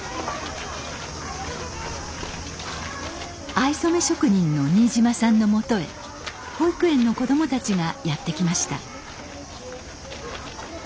藍染め職人の新島さんのもとへ保育園の子どもたちがやって来ました。